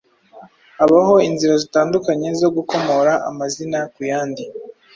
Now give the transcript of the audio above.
Habaho inzira zitandukanye zo gukomora amazina ku yandi.